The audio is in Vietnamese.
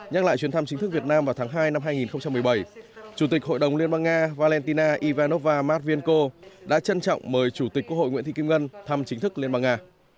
nhắc lại chuyến thăm chính thức việt nam vào tháng hai năm hai nghìn một mươi bảy chủ tịch hội đồng liên bang nga valentina ivanova matvienko đã trân trọng mời chủ tịch quốc hội nguyễn thị kim ngân thăm chính thức liên bang nga